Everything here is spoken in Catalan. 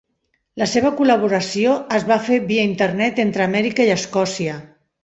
La seva col·laboració es va fer via Internet entre Amèrica i Escòcia.